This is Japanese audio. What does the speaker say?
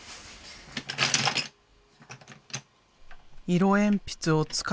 色鉛筆を使い分け